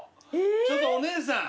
ちょっとお姉さん。